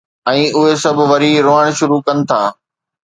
۽ اهي سڀ وري روئڻ شروع ڪن ٿا.